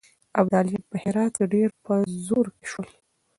ابدالیان په هرات کې ډېر په زور کې شول.